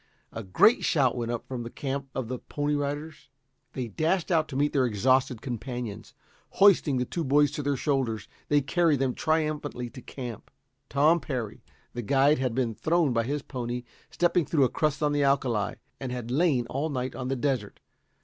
A great shout went up from the camp of the Pony Riders. They dashed out to meet their exhausted companions. Hoisting the two boys to their shoulders, they carried them triumphantly to camp. Tom Parry, the guide, had been thrown by his pony stepping through a crust on the alkali, and had lain all night on the desert.